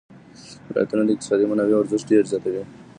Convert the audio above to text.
ولایتونه د اقتصادي منابعو ارزښت ډېر زیاتوي.